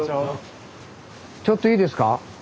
ちょっといいですか。